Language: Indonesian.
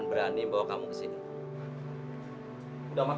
terima kasih pak